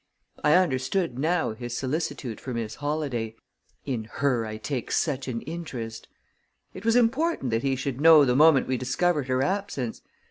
I understood, now, his solicitude for Miss Holladay "in her I take such an interest!" It was important that he should know the moment we discovered her absence.